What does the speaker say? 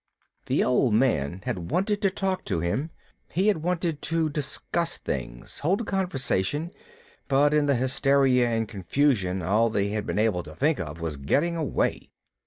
The Old Man had wanted to talk to him. He had wanted to discuss things, hold a conversation, but in the hysteria and confusion all they had been able to think of was getting away.